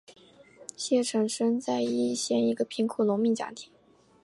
谢臣生在易县一个贫苦农民家庭。